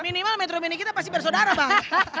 minimal metrum ini kita pasti bersaudara bang